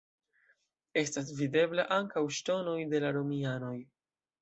Estas videblaj ankaŭ ŝtonoj de la romianoj.